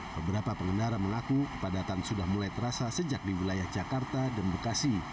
beberapa pengendara mengaku kepadatan sudah mulai terasa sejak di wilayah jakarta dan bekasi